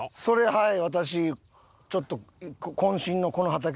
はい。